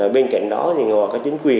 bên cạnh đó thì họ có chính quyền